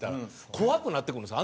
怖くなってくるんですよ